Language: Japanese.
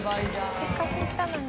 せっかく行ったのに？